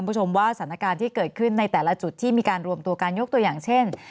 คุณผู้ชมว่าสถานการณ์ที่เกิดขึ้นในแต่ละจุดที่มีการรวมตัวกันยกตัวอย่างเช่น